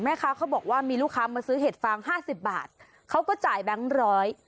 เขาบอกว่ามีลูกค้ามาซื้อเห็ดฟางห้าสิบบาทเขาก็จ่ายแบงค์ร้อย